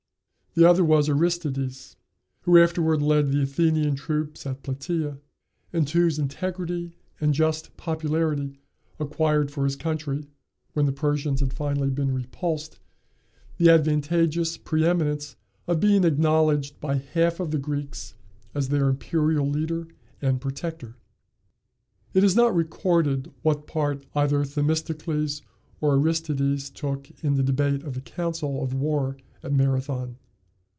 The other was Aristides, who afterward led the Athenian troops at Platæa, and whose integrity and just popularity acquired for his country, when the Persians had finally been repulsed, the advantageous preëminence of being acknowledged by half of the Greeks as their imperial leader and protector. It is not recorded what part either Themistocles or Aristides took in the debate of the council of war at Marathon.